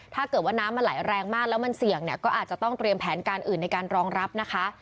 ถ้าเกิดว่าน้ำมันไหลแรงมากแล้วมันเสี่ยงเนี่ยก็อาจจะต้องเตรียมแผนการอื่นในการรองรับนะคะ